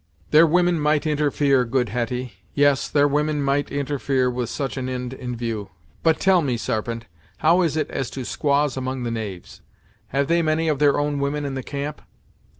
"Their women might interfere, good Hetty; yes, their women might interfere with such an ind in view. But, tell me, Sarpent, how is it as to squaws among the knaves; have they many of their own women in the camp?"